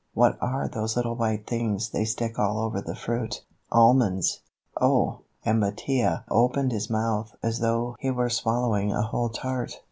What are those little white things they stick all over the fruit?" "Almonds." "Oh...." And Mattia opened his mouth as though he were swallowing a whole tart.